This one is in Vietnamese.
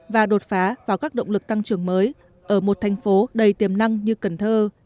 và đột phá vào các động lực tăng trưởng mới ở một thành phố đầy tiềm năng như cần thơ